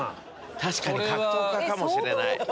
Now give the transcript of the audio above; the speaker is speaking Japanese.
確かに格闘家かもしれない。